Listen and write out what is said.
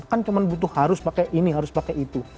kan cuma butuh harus pakai ini harus pakai itu